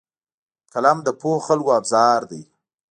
قلم د پوهو خلکو ابزار دی